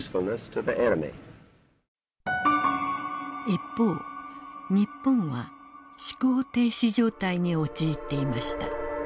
一方日本は思考停止状態に陥っていました。